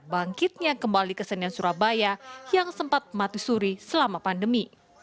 bangkitnya kembali kesenian surabaya yang sempat mati suri selama pandemi